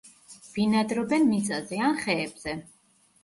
ბინადრობენ მიწაზე ან ხეებზე.